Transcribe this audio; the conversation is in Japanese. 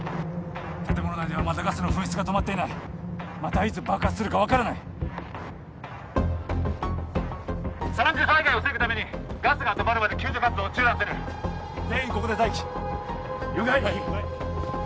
建物内ではまだガスの噴出が止まっていないまたいつ爆発するか分からない三次災害を防ぐためにガスが止まるまで救助活動を中断する全員ここで待機了解！